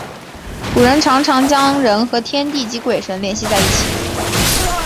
中国古人常常将人和天地及鬼神联系在一起。